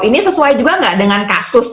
ini sesuai juga nggak dengan kasus